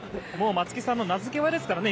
松木さんが名付け親ですからね。